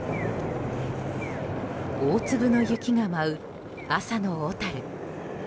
大粒の雪が舞う朝の小樽。